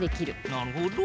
なるほど！